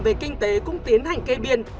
về kinh tế cũng tiến hành kê biên